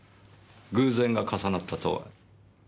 「偶然が重なった」とは？